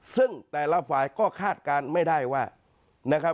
ซึ่งแต่ละฝ่ายก็คาดการณ์ไม่ได้ว่านะครับ